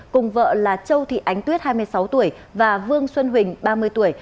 cùng vợ là châu thị ánh tuyết hai mươi sáu tuổi và vương xuân huỳnh ba mươi tuổi